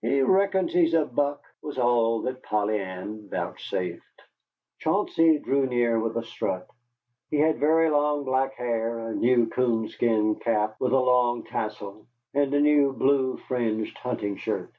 "He reckons he's a buck," was all that Polly Ann vouchsafed. Chauncey drew near with a strut. He had very long black hair, a new coonskin cap with a long tassel, and a new blue fringed hunting shirt.